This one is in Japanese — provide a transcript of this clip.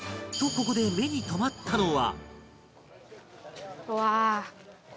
ここで目に留まったのは